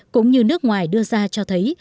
cũng như nước ngoài đưa ra cho thấy